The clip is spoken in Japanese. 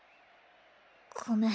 ごめん。